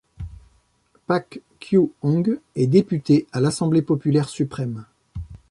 Pak Kyu-hong est député à l'Assemblée populaire suprême.